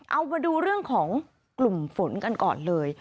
เอามาดูเรื่องของกลุ่มฝนกันก่อนเลย